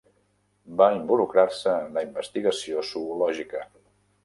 Va involucrar-se en l'investigació zoològica.